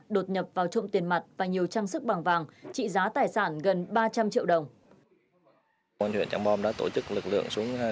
đột nhập vào trộm tiền mặt và nhiều trang sức bằng vàng trị giá tài sản gần ba trăm linh triệu đồng